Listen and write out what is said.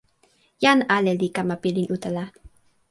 jan ale li kama pilin utala.